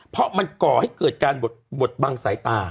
เพราะมันก่อให้เกิดการบดบังสายตา